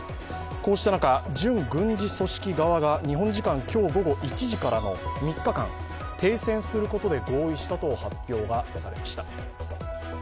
こうした中、準軍事組織側が日本時間今日午後１時からの３日間停戦することで合意したと発表がされました。